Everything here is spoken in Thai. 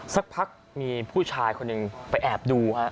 สักพักมีผู้ชายคนหนึ่งไปแอบดูฮะ